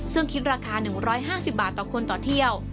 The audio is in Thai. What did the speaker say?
ซึ่งคิดราคา๑๕๐บาทต่อคนต่อเที่ยว